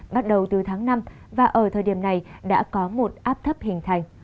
bắt đầu từ tháng năm và ở thời điểm này đã có một áp thấp hình thành